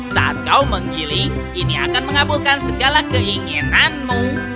saat kau menggiling ini akan mengabulkan segala keinginanmu